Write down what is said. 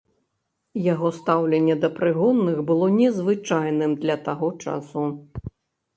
Яго стаўленне да прыгонных было незвычайным для таго часу.